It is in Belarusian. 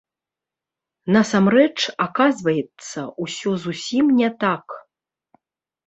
Насамрэч, аказваецца, усё зусім не так.